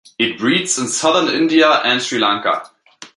It breeds in southern India and Sri Lanka.